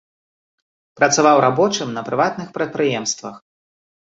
Працаваў рабочым на прыватных прадпрыемствах.